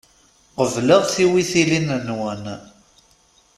Qebleɣ tiwitilin-nwen.